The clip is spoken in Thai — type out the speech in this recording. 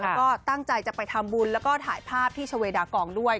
แล้วก็ตั้งใจจะไปทำบุญแล้วก็ถ่ายภาพที่ชาเวดากองด้วย